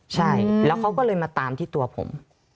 ใช่แล้วเขาก็เลยมาตามที่ตัวผม